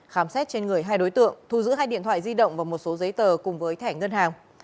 khám xét trên người hai đối tượng thu giữ hai điện thoại di động và một số giấy tờ cùng với thẻ ngân hàng